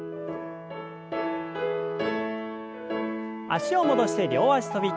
脚を戻して両脚跳び。